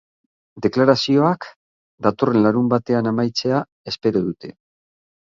Deklarazioak datorren larunbatean amaitzea espero dute.